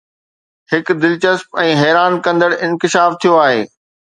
هڪ دلچسپ ۽ حيران ڪندڙ انڪشاف ٿيو آهي